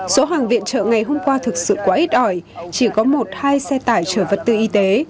số hàng viện trợ ngày hôm qua thực sự quá ít ỏi chỉ có một hai xe tải chở vật tư y tế